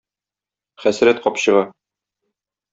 Хәсрәт капчыгы.